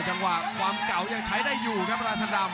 จังหวะความเก่ายังใช้ได้อยู่ครับราชันดำ